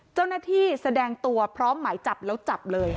เจ้าหน้าที่แสดงตัวพร้อมไหมจับแล้วจับเลย